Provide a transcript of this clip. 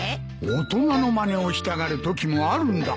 大人のまねをしたがるときもあるんだ。